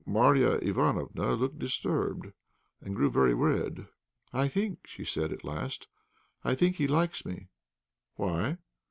Marya Ivánofna looked disturbed, and grew very red. "I think," she said, at last, "I think he likes me." "Why?"